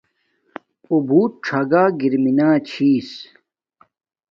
اُݸ بُݸت ڞَگݳ گَر اِرِم چھݵس.